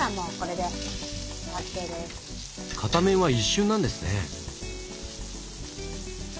片面は一瞬なんですね。